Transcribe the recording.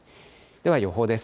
では警報です。